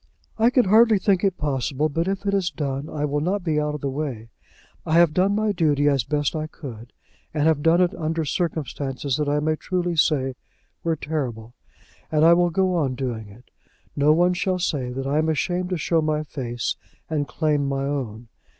"I can hardly think it possible; but, if it is done, I will not be out of the way. I have done my duty as best I could, and have done it under circumstances that I may truly say were terrible; and I will go on doing it. No one shall say that I am ashamed to show my face and claim my own.